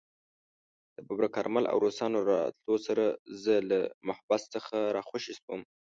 د ببرک کارمل او روسانو له راتلو سره زه له محبس څخه راخوشي شوم.